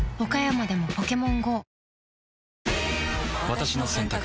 私の選択が